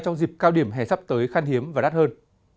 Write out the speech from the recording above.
trong dịp cao điểm hè sắp tới khăn hiếm và đắt hơn